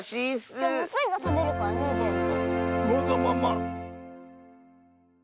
スイがたべるからねぜんぶ。